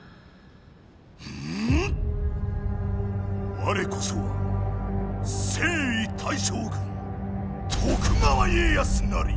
われこそは征夷大将軍徳川家康なり！